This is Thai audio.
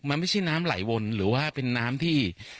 มันไม่ใช่น้ำไหลวนหรือว่าเป็นน้ำที่